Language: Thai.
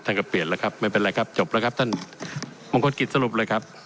ก็เปลี่ยนแล้วครับไม่เป็นไรครับจบแล้วครับท่านมงคลกิจสรุปเลยครับ